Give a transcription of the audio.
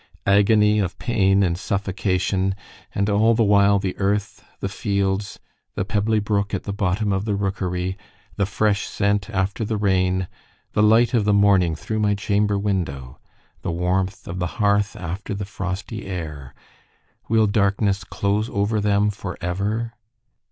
Agony of pain and suffocation and all the while the earth, the fields, the pebbly brook at the bottom of the rookery, the fresh scent after the rain, the light of the morning through my chamber window, the warmth of the hearth after the frosty air will darkness close over them for ever?